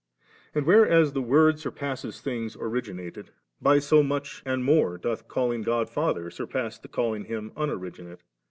And, whereas the Word surpasses things originated, by so much and more doth call ing God Father surpass the calling Him Un originate.